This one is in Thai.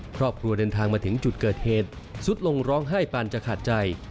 ครอบครัวเดินทางมาถึงจุดเกิดเหตุสุดลงร้องไห้ปานจะขาดใจ